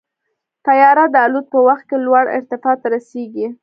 طیاره د الوت په وخت کې لوړ ارتفاع ته رسېږي.